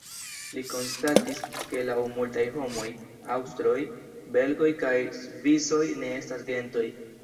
Li konstatis, ke laŭ multaj homoj, aŭstroj, belgoj kaj svisoj ne estas gentoj.